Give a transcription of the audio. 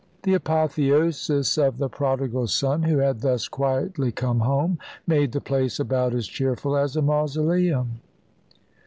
The apotheosis of the prodigal son, who had thus quietly come home, made the place about as cheerful as a mausoleum.